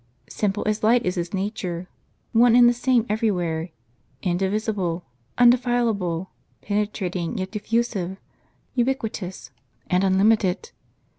" Simple as light is His nature, one and the same every where, indivisible, undefilable, penetrating yet diffusive, ubi quitous and unlimited.